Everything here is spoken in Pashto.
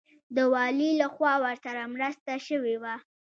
د والي لخوا ورسره مرسته شوې وه.